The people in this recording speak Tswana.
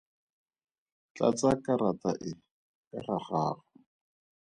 Tlatsa karata e ka ga gago.